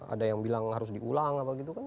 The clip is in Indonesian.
ada yang bilang harus diulang apa gitu kan